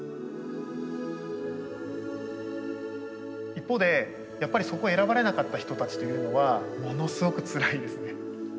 一方でやっぱりそこ選ばれなかった人たちというのはものすごくつらいですね。